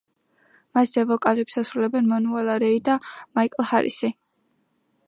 მასზე ვოკალებს ასრულებენ მანუელა რეი და მაიკლ ჰარისი.